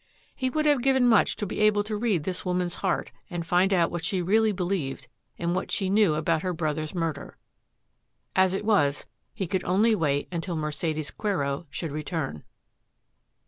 He would have given much to be able to read this woman's heart and find out what she really be lieved and what she knew about her brother's mur der. As it was, he could only wait until Mercedes Quero should return.